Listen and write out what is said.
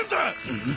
うん？